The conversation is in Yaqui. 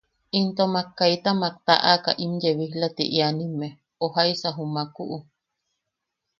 Into mak kaita mak taʼaka im yebijla ti eanimme, o jaisa jumaku...